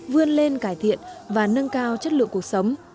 vươn lên cải thiện và nâng cao chất lượng cuộc sống